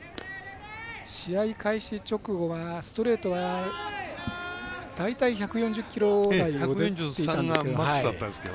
試合開始直後はストレートは、大体１４０キロ台出ていたんですけど。